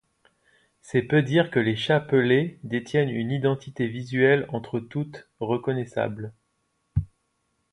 C’est peu dire que les Chats Pelés détiennent une identité visuelle entre toutes reconnaissable.